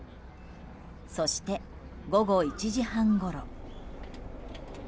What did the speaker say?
そして午後１時半ごろ。